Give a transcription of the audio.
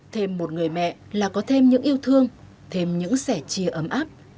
thêm một người mẹ là có thêm những yêu thương thêm những sẻ chia ấm áp